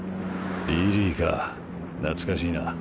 リリーか懐かしいな。